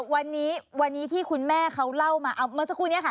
วันนี้วันนี้ที่คุณแม่เขาเล่ามาเอาเมื่อสักครู่นี้ค่ะ